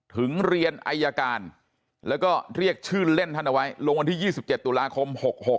ถึงเรียนอายการแล้วก็เรียกชื่อเล่นท่านเอาไว้ลงวันที่๒๗ตุลาคม๖๖